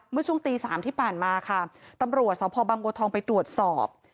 เมื่อช่วงตี๓ที่ผ่านมาค่ะตำรวจสพบังบัวทองไปตรวจสอบ